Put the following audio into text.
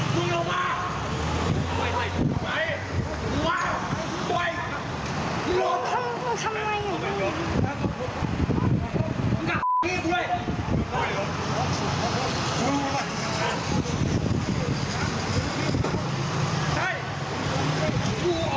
กลัวท้องก็ทำไมอยู่นี่